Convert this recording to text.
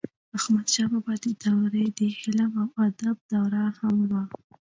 احمدشاه بابا دوره د علم او ادب دوره هم وه.